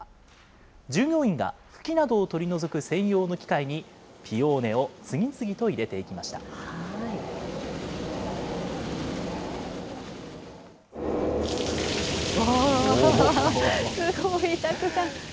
従業員が茎などを取り除く専用の機械に、ピオーネを次々と入れてすごい、たくさん。